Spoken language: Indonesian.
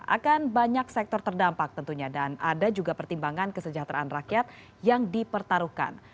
akan banyak sektor terdampak tentunya dan ada juga pertimbangan kesejahteraan rakyat yang dipertaruhkan